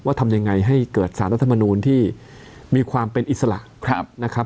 ว่าทำยังไงให้เกิดศาลรัฐมนูลที่มีความเป็นอิสระ